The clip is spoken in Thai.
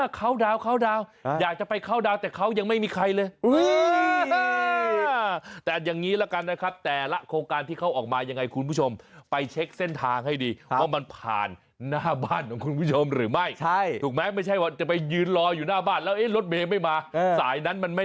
เขาดาวอยากจะไปเข้าดาวแต่เขายังไม่มีใครเลย